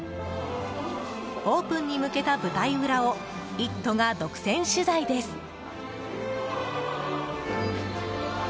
オープンに向けた舞台裏を「イット！」が独占取材です。